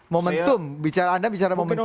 moemtum bicaranya anda bicarain moemtum